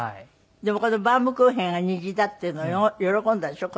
でもこのバウムクーヘンが虹だっていうの喜んだでしょ？